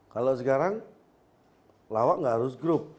kalau sekarang lawak nggak harus grup